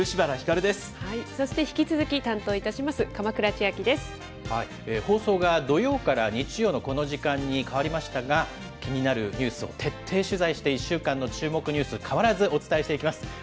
そして引き続き担当いたしま放送が土曜から日曜のこの時間に変わりましたが、気になるニュースを徹底取材して、１週間の注目ニュース、変わらずお伝えしていきます。